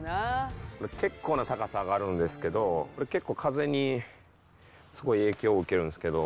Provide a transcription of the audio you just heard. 結構な高さがあるんですけど、結構風に、すごい影響を受けるんですけど。